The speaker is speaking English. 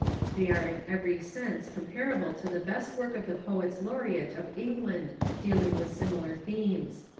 They are in every sense comparable to the best work of the poets laureate of England dealing with similar themes.